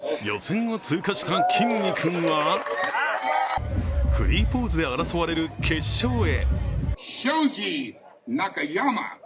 準備は万全、予選を通過したきんに君はフリーポーズで争われる決勝へ。